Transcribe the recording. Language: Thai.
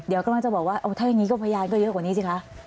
เดี๋ยวก็ล่างจะบอกว่าเต้ยนี้ก็พยายามก็เยอะกว่านี้สิคะ